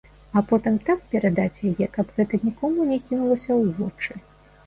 А потым так перадаць яе, каб гэта нікому не кінулася ў вочы.